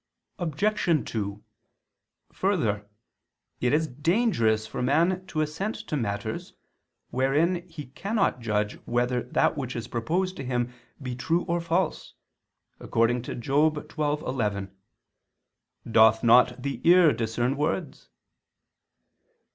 Obj. 2: Further, it is dangerous for man to assent to matters, wherein he cannot judge whether that which is proposed to him be true or false, according to Job 12:11: "Doth not the ear discern words?"